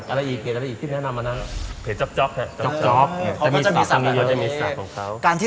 อะไรอีจกรแนะนำอันดังเพจจ๊อกเขาก็จะมีสัตว์มีสัตว์ของเขา